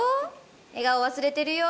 笑顔忘れてるよ。